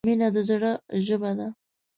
• مینه د زړۀ ژبه ده.